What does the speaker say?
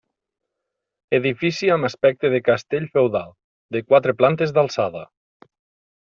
Edifici amb aspecte de castell feudal, de quatre plantes d'alçada.